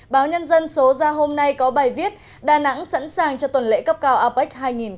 báo nhân dân số ra hôm nay có bài viết đà nẵng sẵn sàng cho tuần lễ cấp cao apec hai nghìn hai mươi